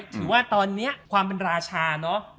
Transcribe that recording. ถือว่าตอนนี้ความเป็นราชาเนอะ